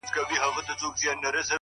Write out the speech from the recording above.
ته خوله لکه ملا ته چي زکار ورکوې-